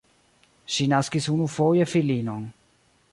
Ŝi naskis unufoje filinon.